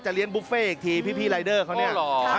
จะเลี้ยงบุฟเฟ่อีกทีพี่ลายเดอร์เขาเนี่ย